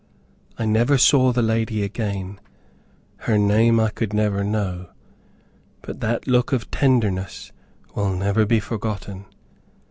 I never saw the lady again, her name I could never know, but that look of tenderness will never be forgotten.